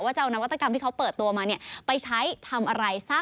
ว่าจะเอานวัตกรรมที่เขาเปิดตัวมา